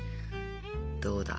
どうだ？